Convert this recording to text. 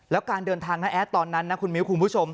แล้วการเดินทางน้าแอดตอนนั้นนะคุณมิ้วคุณผู้ชม